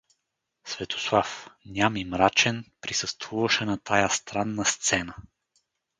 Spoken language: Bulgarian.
Светослав, ням и мрачен, присъствуваше на тая странна сцена.